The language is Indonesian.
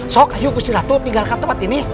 sok ayo gusti ratu tinggalkan tempat ini